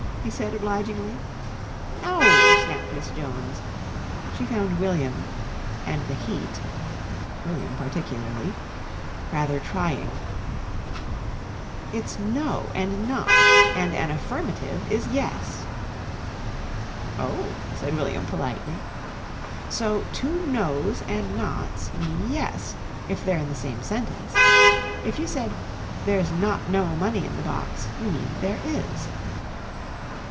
he said obligingly. "No," snapped Miss Jones. She found William and the heat (William particularly) rather trying. "It's 'no' and 'not.' And an affirmative is 'yes.'" "Oh," said William politely. "So two 'nos' and 'nots' mean 'yes,' if they're in the same sentence. If you said 'There's not no money in the box' you mean there is."